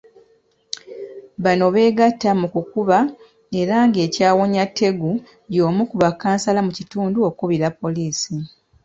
Bano beegatta mu kukuba era ng'ekyawonya Tegu y'omu ku bakansala mu kitundu okukubira poliisi.